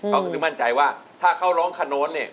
เขาถึงมั่นใจว่าถ้าเขาร้องคาโน้ตเนี่ย